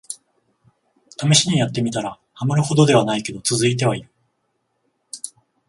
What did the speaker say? ためしにやってみたら、ハマるほどではないけど続いてはいる